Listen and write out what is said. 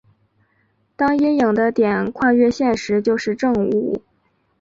当阴影的点跨越线时就是正午。